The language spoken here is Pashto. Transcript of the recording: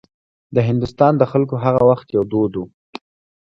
د هندوستان د خلکو هغه وخت یو دود و.